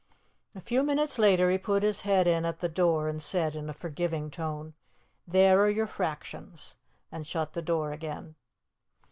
A few minutes later he put his head in at the door and said in a forgiving tone, "There are your fractions," and shut the door again.